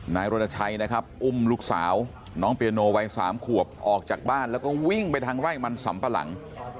นายรณชัยนะครับอุ้มลูกสาวน้องเปียโนวัย๓ขวบออกจากบ้านแล้วก็วิ่งไปทางไร่มันสำปะหลัง